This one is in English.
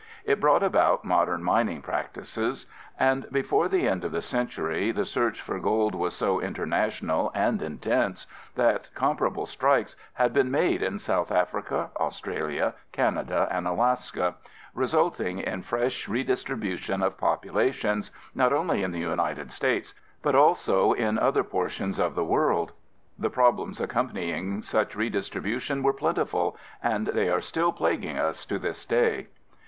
It brought about modern mining practices, and before the end of the century, the search for gold was so international and intense that comparable strikes had been made in South Africa, Australia, Canada and Alaska, resulting in fresh redistribution of populations, not only in the United States but also in other portions of the world. The problems accompanying such redistribution were plentiful, and they are still plaguing us to this day.